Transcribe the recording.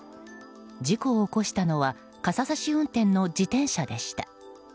事故を起こしたのは傘さし運転の自転車でした。